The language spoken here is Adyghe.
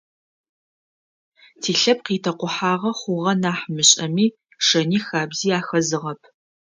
Тилъэпкъ итэкъухьагъэ хъугъэ нахь мышӏэми, шэни хабзи ахэзыгъэп.